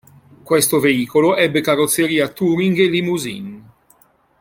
Questo veicolo ebbe carrozzeria Touring e Limousine.